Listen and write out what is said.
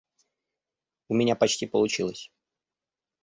У меня почти получилось.